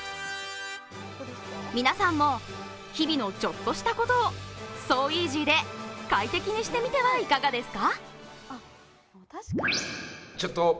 皆さんも日々のちょっとしたことをｓｏｅａｓｙで快適にしてみてはいかがですか？